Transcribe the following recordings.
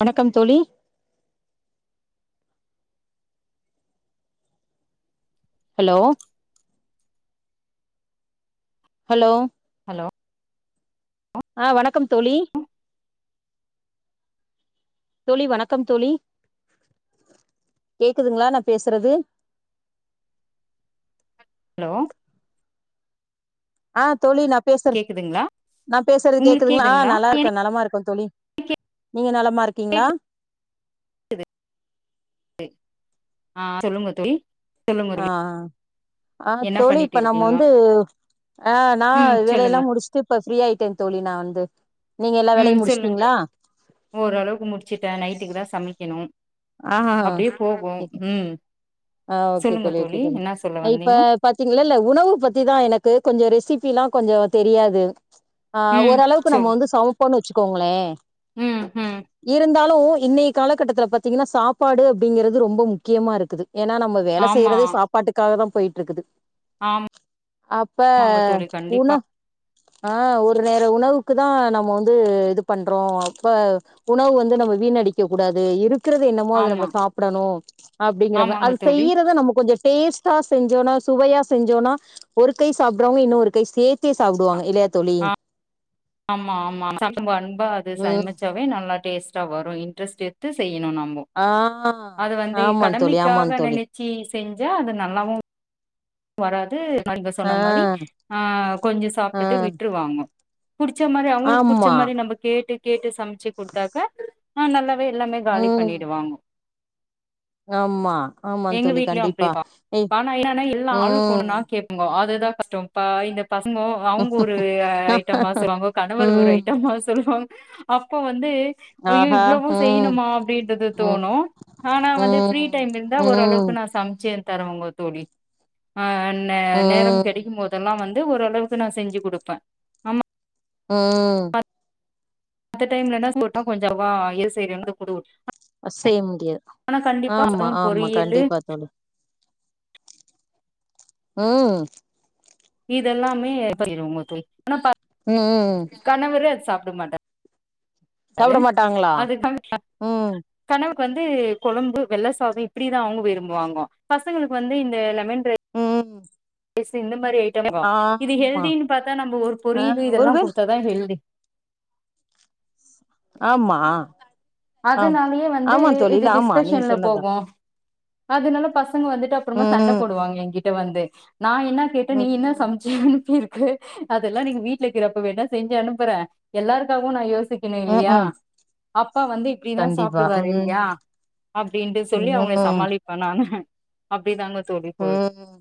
வணக்கம் தோளி hello hello hello ஆ வணக்கம் தோளி தோளி வணக்கம் தோளி கேக்குதுங்ளா நா பேசுறது ஹலோ ஆ தோளி நா பேசர் கேக்குதுங்களா நா பேசுற்து உங்களுக்கு கேக்குதுங்ளா ஆ கேக்குதுங்களா எனக்கு நல்லார்க்கன் நலமா இருக்கே தோளி நீங்க நலமாருக்கீங்ளா கேக்குது ஆ சொல்லுங்கோ தோயி ஆ ஆ ஆ என்ன தோளி பண்ணிட்டு இப்ப நம்ம இருக்கீங்க வந்து அ நா ம் வேலயெல்லா சொல்லுங்க முடுஷ்ட்டு இப்ப ஃப்ரீயா ஆயிட்டேன் தோளி நா வந்து நீங்க எல்லா ம் வேலையு சொல்லுங் முடிச்சுட்டீங்களா ஓரளவுக்கு முடுச்சிட்டன் நைட்டுக் தா சமி கெனு ஆஹா ஹு ஓகே தோ ஆ ஓகே சொல்லுங்க தோளி ஓகே தோழி தோளி என்ன சொல்ல இப்ப வந்தீங்க பாத்தீங்ளல்ல உணவு பத்திதா எனக்கு கொஞ்சொ ரெசிப் பிலா கொஞ்சொ தெரியாது அ ம் ஓர் அளவுக்கு நம்ம சொல் வந்து சவப்போண்ணு வச்சுக் கோங்ளே ம் ம் இருந்தால் இன்னயி காலகட்டத்துல பத் திங்னா சாப்பாடு அப்டிங்கிறது ரொம்ப முக்கியமா இருக்குது ஏன்னா நம்ம வேல ஆமா செய்யறது சாப்பாட்டுக்காக தான் போயிட்டு இருக்குது அப்ப ஆமாங்க தோழி கண்டிப்பா உணவ ஆ ஒரு நேர உணவுக்கு தான் நம்ம வந்து இது பண்றோம் அப்ப உணவு வந்து நம்ம வீணடிக்க கூடாது இருக் கிறது என்னமோ அத நம்ம ஆமா சாப்டணும் அப்டிங்கற மா ஆமாங்க அது தோழி செய்யறதை நம்ம கொஞ்சம் டேஸ்ட்டா செஞ்சோம்னா சுவையா செஞ்சோனா ஒரு கை சாப்பிடுறவங்க இன்னும் ஒரு கை சேத் த்தே ஆ சாப்டுவாங்க இல்லையா தோழி ஆமா ஆமா நம்ப அன்பா அது ம் சமைச்சாவே நல்லா டேஸ்டா வரும் இன்ட்ரெஸ்ட் எடுத்து செய்ய யனு நம்போ ஆ அது வந்து ஆமா தோழி ஆமா கடமைக்காக தோழி நினைச்சி செஞ்ச அது நல்லாவும் வராது நாங்க ஆ சொன்ன மாரி ஆ கொஞ்சம் ஆ சாப்ட்டுட்டு விட்டுரு வாங்கோ புடிச்ச மாரி அவங்களுக்கு புடிச்ச ஆமா மாரி நம்ம கேட்டு கேட்டு சமைச்சு குடுத்தாக்க ஆ நல்லாவே எல்லாமே காலி பண்ணிடுவாங்கோ ஆம்மா ஆமா எங்க தோழி கண்டிப்பா ஏ ஆளுக்கொன்னா கேக்குங்கோ அதுதான் கஷ்டம்ப்பா இந்த பசங்க அவங்க ஒரு அ ஐட்டமா சொல்லுவாங்க கணவர் ஒரு ம் ஐட்டம்மா சொல்லுவாங்க அப்போ வந் வந்து ஐயோ ஆஹா இவ்ளோ ம் செய்யணுமா அப்படின்றது ம் தோணும் ஆனா வந்து ஃபிரீ ம் டைம் இருந்தா ம் ஓரளவுக்கு நா சமைச்சே தரவங்க தோழி நேரம் ம் கிடைக்கும் போதெல்லாம் வந்து ஓரளவுக்கு நான் செஞ்சு கொடுப்பேன் ஆமா ம் அந்த டைம்லனாட்டா [unintelligible] கொஞ்சம் வா [unintelligible] செய்ய முடியாது ஆமா அதுவு ஆமா பொரியலு கண்டிப்பா தோழி ம் இதெல்லாமேற்பயடுங்க தி [unintelligible] ஆனா ம் கணவரே அது சாப்ப ட மாட்ட சாப்பட மாட்டாங்களா ம் கணவருக்கு வந்து கொழம்பு வெள்ள சாதம் இப்படிதான் அவங்க விரும்புவாங்க பசங்களுக்கு வந்து இந்த லெமன் ரைஸ் ம் [unintelligible] மாரி ஐட்ட இது ஆமா ஹெல்தினு பாத்தா நம்ப ஒரு ஆ பொரியலு இதெல்லா ஒருவேள குடுத்தா தா ஹெல்தி ஆமா ஆ ஆம் அதனாலயே வந்து ஆமாந் தோழி ஆமா நீங்க சொன்னதா அதுனால பச ங்க வந்துட்டு அப்பறமா சண்டப் ம் போடுவாங்க எங்கிட் ட வந்து நா என்னா கேட்ட நீ என்னா ம் சமச்ச [unintelligible] கு அதெல்லா நீங்க வீட்லக்குறப்ப வேணா செஞ்சி அனுப்புற எல்லாருக்காகவு நா யோஸ் சிக்கணு ம் இல்லியா ம் அப்பா வந்து இப்டிதா கண்டிப்பா சாப்டுவாரு ம் இல்லயா அப்டின்ட்டு சொல்லி அவுங்கள ம் சமாளிப்ப நானு அப்டிதாங்க தோழி [inaudible] ம்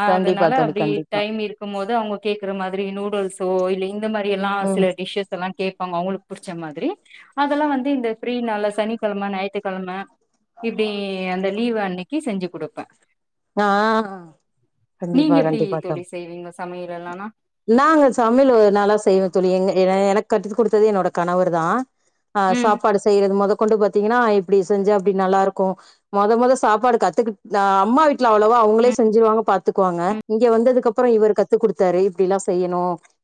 அ கண்டிப்பா அதுனால தோழி அப்டி கண்டிப்பா டைம் இருக்கம் போது அவுங்க கேக்குற மாதிரி நூடுல் ஸோ இல்லை இந்த மாரியெல்லா ம் சில டிஷ்ஷஸ்ஸல்லா கேப்பாங்க அவுங்களு புடிச்ச மாதிரி அதெல்லா வந்து இந்த ஃப்ரீ நாள்ல சனிக்கெழம ஞாயித்திக்கெழம இப்டி அந்த லீவு அன்னை க்கி செஞ்சி குடுப்ப அ ஆ கண்டிப்பா நீங்க எப்டி கண்டிப்பா தோழி செய்வீங்க சமையலெல்லானா நாங்க சம்யலு நல்லா செய்வ தோழி எங்க ஏ எனக் கத்துக் குடுத்தது என்னோட கணவர் தா ஆ ம் சாப்பாடு செய்றது மொதக் கொண்டு பாத்தீங்கன்னா இப்டி செஞ்சா இப்டி நல்லா இருக்கு மொத மொத சாப்பாடு கத்துக்கிட் நா அம்மா வீட்ல அவ்ளவோ அவுங்களே ம் செஞ்சிருவாங்க பாத்துக்குவாங்க ம் இங்கெ வந்ததுக்கப்பறொ இவரு கத்துக் குடுத்தாரு இப்டில்லா செய்யணு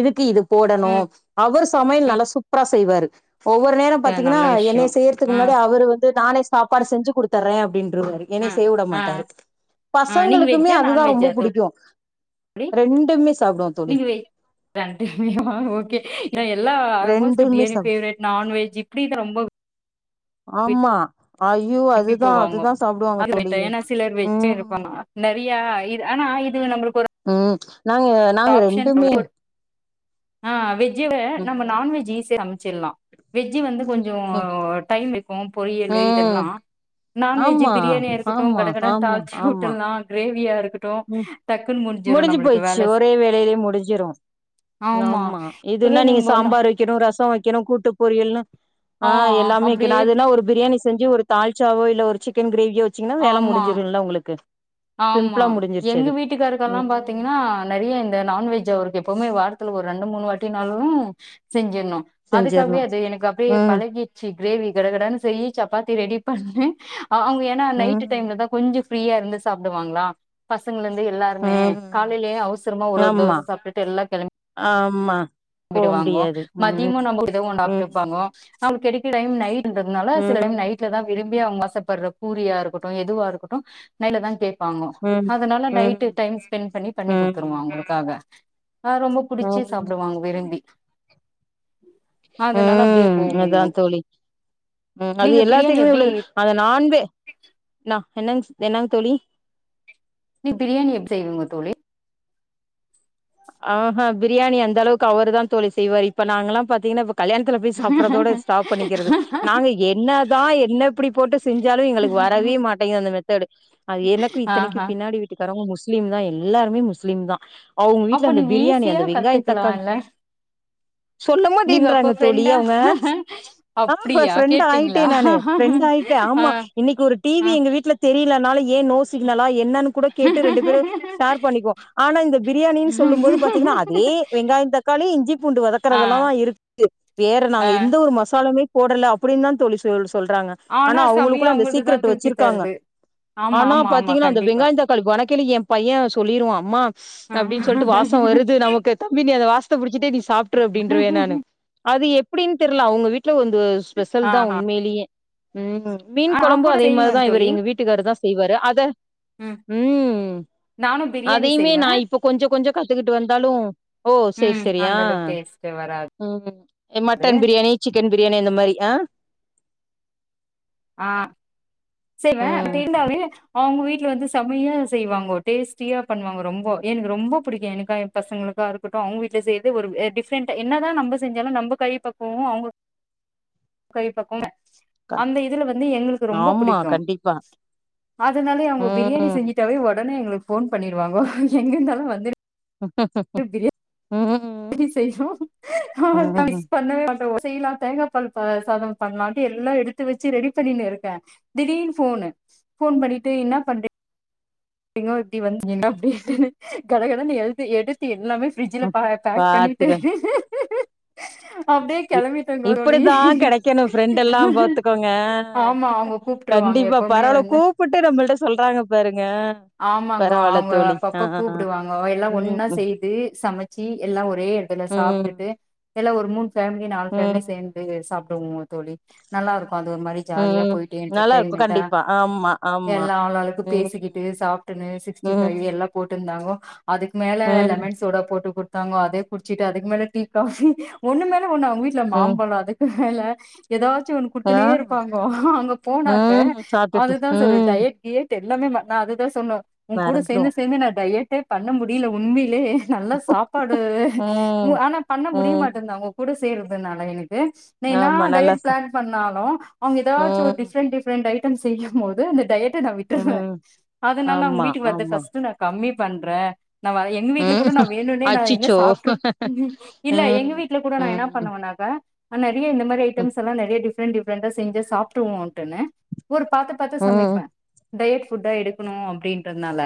இதுக்கு இதுப் போடணு ம் அவரு சமையல் ம் நல்லா சூப்பரா செய்வாரு ஒவ்வொரு நேரம் த பாத்தீங்கன்னா நல்ல விஷ்யோ என்னைய செய்யற்துக்கு ம் முன்னாடி அவரு வந்து நானேஸ் சாப்பாடு செஞ்சு குடுத்தர்றே அப்டின் ருவாரு என்னைய ம் செய்ய உட ஆ மாட்டாரு ஆ நீங்க பசங்களுக்குமே வெஜ்ஜா அதுதா ரொம்ப நான்வெஜ்ஜா புடிக்கு தோழி ரெண்டுமே சாப்டுவோ தோழி நீங்க வெ ரண்டுமேவா ஓகே எல்லா ஆல்மோஸ்ட்டு ரெண்டுமே பிரியாணி சாப் ஃபேவ்ரெட் நாண்வெஜ் இப்டிதா ரொம்பொ ஆமா ஐயோ விரும்பி அதுதா போவாங்கோ அதுதா சாப்புடுவாங்க அது தோழி ரைட்டு ஏனா சிலர் வெஜ்ஜு ம் இருப்பாங்க நெறையா இது ஆனா இது வ நம்ப்ளுக்கு ஒரு ம் நாங்க நாங்க ரெண்டுமே அ வெ ஜ்ஜுல நம்ம ம் நாண் வெஜ் ஈசியா சம சிற்லா வெஜ்ஜி வந்து கொஞ்சொ ம் டைம் [inaudible] பொரியலு ம் இதெல்லா நாண் வெஜ்ஜு ஆமா பிரியாணியா இருக்கட்டு ஆமா கடகடன் ஆமா தாள்ச்சி ஆமா உட்டுல்லா க்ரேவியா ட்டு டக்கு முடிஞ்சி போயிட்ச்சி ஒரே வே லயே முடிஞ்சிரு ஆமா அதுவே இதுன்னா நீங்க நம்ப ந சாம்பார் வெக்கெணு ரசொ வெக்கெணு கூட்டு பொரியல்னு ஆ எல்லாமே வைக்கெணு அப்டியே அதுன்னா ஒரு பிரியாணிஸ் செஞ்சு ஒரு தால்ச்சாவோ இல்ல ஒரு சிக்கன் க்ரேவியோ ச்சீங்ன்னா வேல ஆமா முடிஞ்சிடுல உங்குளுக்கு ஆமா எங்க வீட்டுக்கார ல்லா ம் பாத்தீங்ன்னா நெறைய இந்த நான்வெஜ் அவுருக்கு எப்பவுமே வாரத்துல ஒரு ரெண்டு மூணு வாட்டினாலு செஞ்சி ட்னு அதுக்காக்வே செஞ்சிர்ணு அது எனக்கு அப்டியே ம் பழகீச்சி க்ரேவி கடகடனு செய்யி சப்பாத்தி ரெடி பண்ணி அவங்க ஏன்னா நைட்டு ம் டைம்ல தா கொஞ்சு ப்ரியா இர்ந் சாப்டுவாங்ளா பசங்க எல்லாருமே ம் காலைலேயே அவ்சரமா ஒரு ஒரு தோச சாப்ட்டுட்டு எல்லா கெளம்பி ம்மா விடுவாங்கோ மதிமு நம்ம எதுவு ம் சாப்டுப்பாங்கோ அவ் கெடைக்க டைம் நைட் டுன்றதுனால சில டைம் ம் நைட்ல தா விரும் பி அவுங்க ஆசப்பட்ர பூரியா இருக்கட்டு எதுவா இருக்கட்டு நைட்ல தா கே பாங்கோ ம் அதனால ம் நைட்டு ம் டைம் ஸ்பெண் பண்ணி பண்ணி குட்த்துருவ ம் அவுங்களுக்காக ஆ ரொம்போ புடிச்சி சாப்டுவாங்கோ அதனால அப்டியே ம் அதா போகுங்கோ தோழி ம் அது நீங்க பிரியாணி எல்லாத்துக்கு எப்டி உள்ளது அது நான் வெ நா என்னங் சி என்னங் தோழி நீ பிரியாணி எப்டி செய்வீங்கோ தோழி ஆஹா பிரியாணி அந்த அளவுக்கு அவரு தா தோழி செய்வாரு இப்ப நாங்கல்லா பாத்தீங்ன்னா கல்யாண்த்துல போய் சாப்பிறதோட ஸ்டாப் பண்ணிக்கிறது நாங்க என்னதா என்ன இப்புடி போட்டு செஞ்சாலு எங்களுக் வரவே மாட்டேங்கு அந்த மா [unintelligible] அது எனக்கு இத்தனைக்கு ஆஹா பின்னாடி வீட்டு காரவுங்க முஸ் லிம் தா எல்லாருமே முஸ்லிம் தா அவ்ங் க அப்ப அந்த நீங்க பிரியாணி ஈஸியா அந்த வெங்காய தக்காளி கத்துக்கலால்ல சொல்ல நீங்க அப்ப மாட்டென்ராங்க தோழி ஃப்ரெண்டா அவுங்க அப்டியா ப்ரெண்ட் ஆயிட்டே கேட்டீங்களா நானு ப்ரெண்ட் ஆயிட்டே ஆ ஆமா இன்னைக்கு ஒரு ஆ டிவி எங்க வீட்ல தெரில நால ஏ நோ சிக்னலா என்னானு கூட கேட்டு ரெண்டு பேரு ஷேர் பண்ணிக்வோ ஆனா இந்த பிரியாணின் போது பாத்தீங்கனா அதே வெங்காய தக்காளி இஞ்சி பூண்டு ஆ வதக்கறதுல தா இருக்கு வேற ஆ நாங்க எந்த ஒரு மசா லாவே போடல அப்டின் தா தோழி சொ சொல்றாங்க ஆனா சமயம் அவுங்களுக்குள்ள அந்த அவங்கள்துதா சீக்ரெட்டு தூக்கி வச்சிருக்காங்க தருது ஆமா ஆனா ஆமா ஆமா பாத்தீங்னா அந்த கண்டிப்பா வெங்காய தக்காளி வணக் கேல எ பைய சொல்லிருவா அம்மா அ ட்டு வாசொ வருது நமக்கு தம்பி வாசத்த புடிச்சிட்டே நீ சாப்ட்ரு அப்டின்றவ நானு அது எப் எப்டின்னு தெர்ல அவங்க வீடு வீட்ல வந்து ஸ்பெஷல் தா ஆஹா உண்மேலியே ம் மீன் ஆ நா குழம்பு கூட அதே செய்வே மாரிதான் இவர் தோழி எங்க வீட்டுக்காரு தான் செய்வாரு அத ம் ம் நானு பிரியாணி அதையுமே செய்வே இப்ப நா கொஞ்சொ கொஞ்சொ கத்துக்கிட்டு வந்தாலும் ஓ செரி ம் செரியா அந்த அளவுக்கு டேஸ்ட் வராது மட்டன் பிரியாணி சிக் சிக்கன் பிரியாணி அந்த மாரி ஆ ஆ செய்வேன் ம். பட் இருந்தா [unintelligible] அவங்க வீட் வீட்ல வந்து செம்மையா செய்வாங்கோ டேஸ்டியா பண்ணுவாங்கோ ரொம்போ எனக்கு ரொம்போ புடிக்கு எனக்கா என் பசங்களுக்கா இருக்கட்டு அவங்க வீட்ல செய்து ஒரு டிஃப்ரண்டா என்னதான் நம்ம செஞ்சாலு நம்ம கை பக்குவோ அவங்க கை பக்கு க அந்த இதுல வந்து எங்ளுக்கு ரொம்ப ஆமா. புடிக்கு கண்டிப்பா. ஆதனாலே அவங்க பிரியாணி ம். செஞ்சிட்டாவே உ உடனே எங்களுக்கு போன் பண்ணிருவாங்கோ எங்க இருந்தாலு வந்து ம். டி செய்ணு நா ம். மிஸ்பண்ணவே [unintelligible] செய்லா தேங்காபால் சாதம் பண்ணலா எல்லா எடுத்து வச்சு ரெடி பண்ணினு இருக்கே திடீர்னு போனு போன் பண்ணிட்டு என்ன பண்ற [unintelligible] எண்டாஃப்தடே கடகடன்னு எழுத்து எடுத்து எல்லாமே ஃப்ரிட்ஜ்ல பேக் பண்ணிட்டு பாத்துக்க அப்டியே கெளம்பிட்டோங்க தோழி இப்டித்தா கிடைக்கணு ஃப்ரெண்ட்லாம் பாத்துக்கோங்க ஆமா அவங்க அ கூப்ட்ருவாங்க கண்டிப்பா எப்பவுமே பரவல கூப்புட்டு நம்மள்ட்ட சொல்றாங்க பாருங்க ஆமாங்கோ பரவால்ல அவங்க தோழி ஆ அப்பப்பா ஆ ஆ கூப்டுவாங்கோ எல்லா ம் ஒன்னா ம் செய்து சமச்சி எல்லா ஒரே இடத்துல சாப்ட்டிட்டு ம் எல்லா ஒரு மூணு ஃபேம்லி நாலு ஃபேம்லி ம் சேந்து சாப் தூங்குவோ தோழி நல்லாருக்கு அது ஒரு மாரி ஜாலியா ம் போயிட்டு நல்லா இருக்கு என்டர்டைமெண்டா கண்டிப்பா ஆமா ஆமா எல்லா ஆளாளுக்கு ம் பேசிக்கிட்டு ப்டியே சாப்ட்டுனு சிக்ஸ்டிஃபைவ் ம் எல்லா போட்டுன்னுந்தாங்கோ அதுக்கு மேல ம் லெமன் சோடா போட்டுகு தாங்கோ அதே குடிச்சிட்டு அதுக்கு மேல டீ காஃபி ஒன்னுமே உண்ணா வீட்ல ம் மாம்பழோ அதுக்கு ஹல ஏதாவுது எதாச்சி என்னு ஆ குடுத்துனே இருப்பாங்கோ அங்க போனாக்க ம் சாப்ட்டுட்டு அதுதான் ம் சோல்டே ஏட் ஏட் எல்லாமே நா அதுதா சொன்னோ உன் கூட சேந்து மறந்துருவோ சேந்து நா டயட்டே பண்ண மு டில உண்மிலே நல்லா சாப்பாடு மு ம் ஆனா பண்ண ம் முடியமாட்டின்து அவுங்க கூட சே தேடறுதுனால எனக் ந்து என்னா ஆமா நல்லா டயட் சா பிளான் பண்ணாலு அவுங்க எதாச்சு ஒரு ம் டிஃபரெண்ட் டிஃபரெண்ட் டயட் ரிடன் செய்யும்போது அந்த டயட் நா விட்டற ம் அதனால நா அவுங்க ஆமா வீட்டுக்கு வர்றத ஆமா ஃபஸ்ட் நா கம்மி பண்ற நா வ எங்க வீட்ல ம் கூட நா வேணுனே நா எங்க அச்சச்சோ சாப்பிட்டுருப் ம் இல்ல எங்க வீட்ல கூட நா என்ன ம் ம் பண்ணுவனாக்கா அண்ணாரு இதுலயே இந்த மாரி ஐட்டம்ஸ்ல்லா நெறய டிப்ரெண்ட் டிப்ரெண்டா செஞ்சா சாப்ட்ருவோ ட்டுனு ஒரு பாத்து பாத்து ம் சமைப்ப டயட் ஃபுட்டா எடுக்கணு அப்டின்றதுனால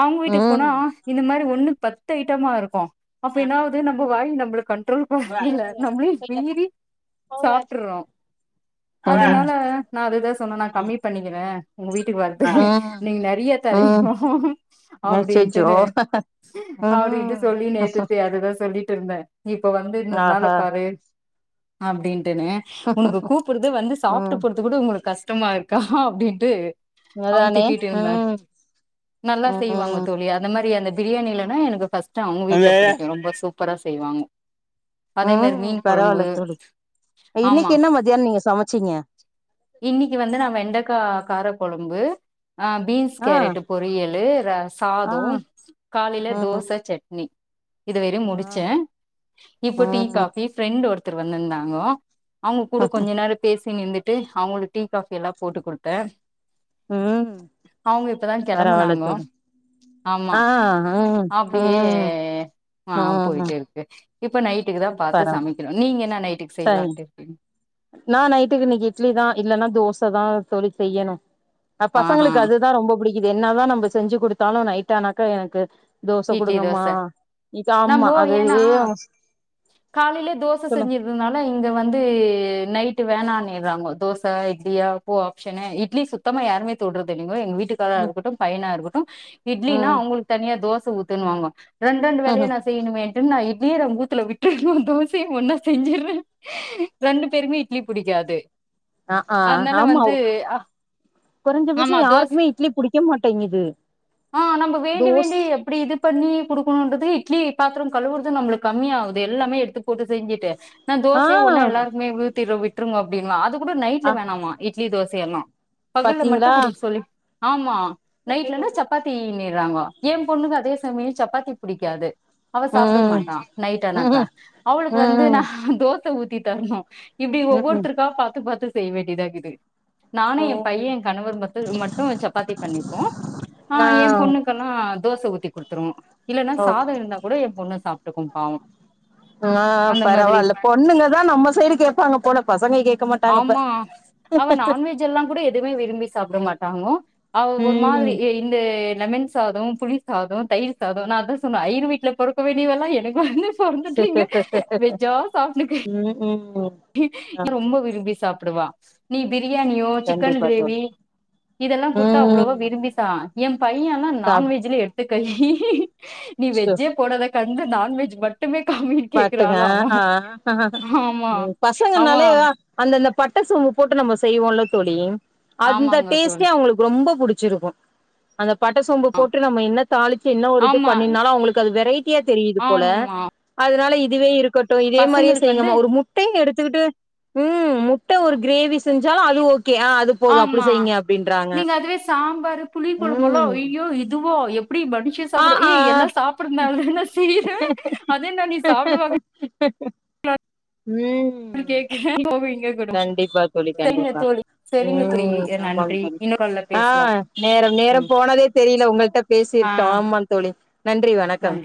அவுங்க ம் வீட்டுக்கு போனா ம் இந்த மாரி ஒ ஒண்ணுக்கு பத்து ஐட்டமா இருக்கு அப்ப என்னாவது நம்ம வாய் நம் ள்ள கண் ட்ரோல் பண்ணுல நம்ளி மீறி சாப்பிட்டுறோ அதனால நா அதுதா சொன்னனா நா கம்மி பண்ணிக்குற உங்க வீட்டுக்கு வர்ரதுக்கு நீங்க நெறய ம் தர்னிங்கோ அச்சச்சோ அப்டின்ட்டுன்னு அப்டின்ட்டு ம் சொல்லி நேத்துத்த அதுதா சொல்லி ட்டு இருந்த இப்ப வந்து இந்தினால ஆஹா பாரு அப்டின் ட்டுனு உனக்கு கூப்பிடுறது வந்து உனக்கு சாப்பிட்டு ம் போறது கூட உங்களுக்கு கஷ் சுத்தமா இருக்கா அப்டின்ட்டு அவுங்க அதானே திட்டிட்டு இருந்தாங் ம் நல்லா செய்வாங்க ம் தோழி அந்த மாரி அந்த பிரியாணி இலைனா எனக்கு ஃபஸ் ட் அவுங்க வீட்ல பிடிக்கு ரொம்ப சூப் பரா செய்வாங்க அதே மாரி ம் மீன் கொழம்பு பரவால்ல தோழி ஆமா இன்னைக்கு என்ன மத்தியானோ நீங்க சமச்சீங்க இன்னைக்கு வந்து நா வெண்டக்கா கார கொழ ம்பு ஆ பீன்ஸ் ஆ கேரட்டு பொறியலு ர ஆ சாதோம் காலையில ம் தோச சட்னி இதுவெறையும் ஆ முடிச்சேன் இப்போ டீ ம் காஃபி ஃப்ரெண்டு ஒருத் த்தரு வந்துந்தாங்கோ அவங்க கூட கொஞ்ச நேரப் பேசி நீங்க இந்துட்டு அவுங்களுக்கு டீ காபி எல்லா போட்டு குடுத்தே ம் அவங்க இப்பதான் பரவால்ல கிளம்புனாங்க தோழி ஆமா ஆ ம் அப்படியே ம் ஆ போயிட்டு இருக்கு இப்போ நைட் பரம் சரி செய்யலான்ட்டு இருக்கீங்க நா நைட்டுக்கு இன்னைக்கி இட்லி தா இல்லன்னா தோஸ் த்த தா சொல்லி செய்யணும் ஆஹா பசங்களுக்கு அதுதான் ரொம்ப புடிக் இது என்ன தான் நம்ம செஞ்சு கொடுத்தாலும் நைட்ட ஆனாக்கா எனக்கு தோச இட்லி குடுங்கம்மா தோச இக்காம்மா அது ஏன் காலையிலயே தோச செஞ்சிருதுனால இங்க வந்து நைட் வேணான்னிறாங்கோ தோச இட்லியா பூ ஆப்ஷன்னு இட்லி சுத்தமா யாருமே தொடுறது இல்ல எங்க வீட்டுக்காரரா ம் இருக்கட்டு பையனா இருக்கட்டு இட்லினா ம் அவங்களுக்கு தனியா தோச ஊத்தனுவாங்கோ ரெண்ட்ரண்டு வேலையா ம் நா செய்யணுமேண்டு நா வீர ஊத்துல விட் தோசையு ஒன்னா செஞ்சுடுறே ரெண்டு பேருகுமே இட்லி புடிக்காது அதனால வந்து கொறஞ்சபட்சோ ஆமா தோச யாருக்குமே இட்லி புடிக் கேம் மாட்டேங்கிது ஆ நம்ம வேண்டி வேண்டி எப்பிடி இது பண்ணி குடு ணுன்றது இட்லி பாத்திரம் கழுவுறது நம்மளுக்கு கம்மிய ஆகுது எல்லாமே எடுத்து போட்டு செஞ்சுட்டு நா ஆ தோசையே ஒன்னா எல்லாருக்மே ஊத்திர விட் டுருங்க அப்டினுவா அது கூட ஆ நைடல வேணாம இட்லி தோச சேரணு பகல்ல மட்டு பாத்தீங்களா குடுக்க சொல்லி ஆமா ம் நைட்லனா சப் சப்பாத்தி நிறாங்கோ எம் பொண்ணுக்கு அதே சமயோ சப்பாத்தி புடிக்காது அவ சாப்ட ம் மாட்டா நைட் ஆனாக்கா ம் அவுளுக்கு வந்து ம் நா தோச ஊத் தி தர்ணு இப்டி ம் ம் ஒவ்வொர்த்தருகா பாத்து பாத்து செய் வேண்டியதாக்குது நானு என் பையன் என் கணவர் மத்து மட்டு சப்பாத்தி பண்ணிப்போ ஆ ஏம் பொண்ணுக்கெல்லா தோசை ஊத்தி குடுத்துரு இல்லன்னா ஓ சாதம் இருந்தா கூட என் பொண்ணு சாப் க்கு பாவம் ஆ பரவால்ல பொண்ணுங்கதா நம்ம சைடு கேப்பாங்க போல பசங்க கேக்க மாட்டாங்கப்ப ஆமா அவ நான்வெஜ் எல்லா கூட எதுவுமே விரும்பி சாப்ட மாட்டாங்கோ அவ ஒரு ம்ம் மாதிரி "ஏ, இந்த லெமன் சாதம் புளி சாதம் தயிர் சாதம் நான் அதான் சொன்னே ஐயிர் வீட்ல பொறக்க வேண்டியவெல்லா எனக்கு வந்து பொறந்திட்டிங்க வெஜ்ஜா சாப்பிடுங்க ம் ம் ஆமா ரொம்ப விரும்பி சாப் போடுவா நீ வி பிரியாணியோ சிக்கன் கண்டிப்பா தோழி கிரேவி இதெல்லாம் குடுத்தா அவ்வளோவா ம் விரும்பி எம் பையனெல்லாம் சாப் நான்வெஜ்லயே எடு நீ வெஜ்ஜே போடாதேக் அங்க நான் வெஜ் மட் பாத்துங்க ஆ ஆ ஆமா ஆமா பசங்கனாலே அந்தந்த பட்டை சோம்பு போட்டு நம்ம செய்வோல தோழி ஆமாங்க தோழி புடிச்சிருபோம் அந்த பட்டை சோம்பு போட்டு நம்ம என்ன தாளிச்சு என்ன ஒரு இது ஆமா பண்ணினாலும் அவங்களுக்கு அது வெரைட்டியா தெரியுது போல ஆமா இதனால இதுவே இருக் கட்டும் இதே மாரியே பசங்களுக்கு வந்து செய்யங்கம்மா ஒரு முட்டைய எடுத்து கிட்டு உம் முட்ட ஒரு கிரேவி செஞ்சாலும் அது ஓகே ஆ அது போதும் அப்படி செய்ங்க அப்படின்றாங்க பாரு புளி கொழம்பெல ஐய்யோ இதுவா எப்ப எப்படி மனிஷ ஆ சாப்டு ஆ ஏ எல்லாம் சாப்டறதுனால தான செய்யற அது என்ன நீ சாப்டுவாங் ம் கேக்குற போவிங்க கண்டிப்பா தோழி கண்டிப்பா சரிங்க தோழி ம் ஆமாங்க நன்றி தோழி இன்னொரு கால்ல ஆ பேசலாம் நேரம் ம் நேரம் போனதே தெரியல உங்ககிட்ட ஆ பேசிட்டோம் ஆமா தோழி நன்றி வணக்கம் நன்றி